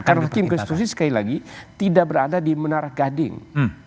karena hakim konstitusi sekali lagi tidak berada di menara gading